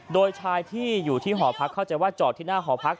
โดยชายที่อยู่ที่หอพัก